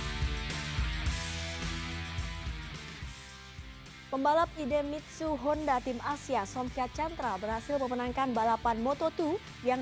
hai hai pembalap idemitsu honda tim asia somsat chandra berhasil memenangkan balapan moto dua yang